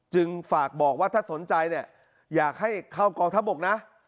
จึงฝากบอกว่าถ้าสนใจเนี่ยอยากให้เข้ากองทัพบกนะ